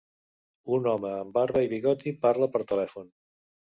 Un home amb barba i bigoti parla per telèfon